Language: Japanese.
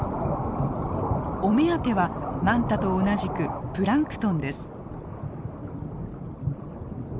お目当てはマンタと同じくプランクトンです。